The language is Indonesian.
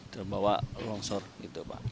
terbawa longsor gitu pak